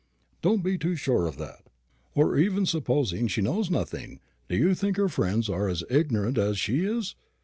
"Don't be too sure of that. Or even supposing she knows nothing, do you think her friends are as ignorant as she is?